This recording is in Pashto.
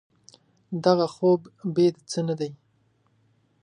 دغه خوب بې د څه نه دی.